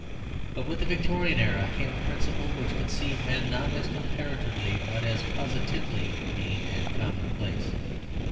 But with the Victorian era came a principle which conceived men not as comparatively, but as positively, mean and commonplace.